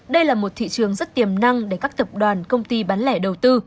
đây là một thị trường rất tiềm năng để các tập đoàn công ty bán lẻ đầu tư